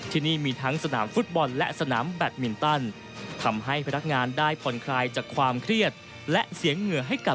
ที่นี่มีทั้งสนามฟุตบอลและสนามแบทมินตัน